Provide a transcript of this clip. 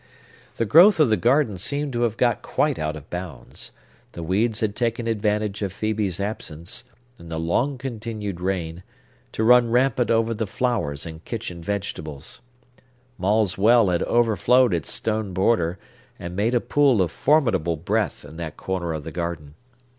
The growth of the garden seemed to have got quite out of bounds; the weeds had taken advantage of Phœbe's absence, and the long continued rain, to run rampant over the flowers and kitchen vegetables. Maule's well had overflowed its stone border, and made a pool of formidable breadth in that corner of the garden.